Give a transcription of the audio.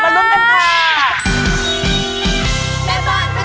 หรือ๓